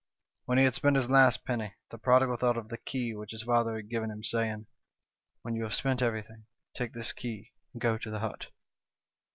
"When he had spent his last penny, the prodigal thought of the key which his father had given him, saying, 'When you have spent everything, take this key, and go to the hut.'